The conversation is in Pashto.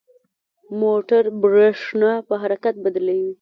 موټور برېښنا په حرکت بدلوي.